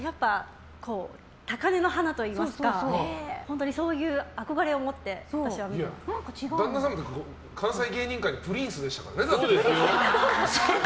高嶺の花といいますかそういう憧れを持って旦那さん、関西芸人界でプリンスでしたからね。